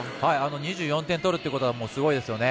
２４点取るということはすごいですよね。